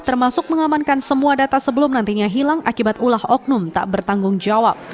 termasuk mengamankan semua data sebelum nantinya hilang akibat ulah oknum tak bertanggung jawab